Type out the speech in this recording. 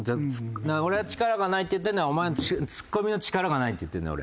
俺は「力がない」って言ってるのはお前のツッコミの力がないって言ってるんだよ